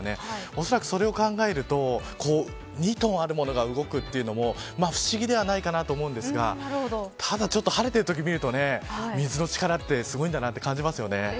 おそらくそれを考えると２トンあるものが動くというのも不思議ではないかなと思うんですがただ、ちょっと晴れているときに見ると水の力はすごいんだなと感じますよね。